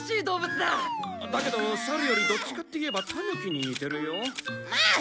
だけどサルよりどっちかっていえばタヌキに似てるよ。もうっ！